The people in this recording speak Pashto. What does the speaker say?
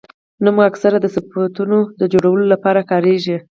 نوم اکثره د صفتونو د جوړولو له پاره کاریږي.